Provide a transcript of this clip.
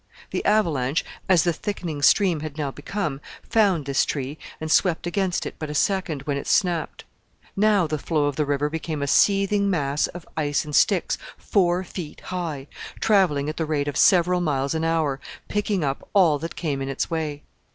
The avalanche as the thickening stream had now become found this tree, and swept against it but a second, when it snapped. Now the flow of the river became a seething mass of ice and sticks four feet high travelling at the rate of several miles an hour, picking up all that came in its way.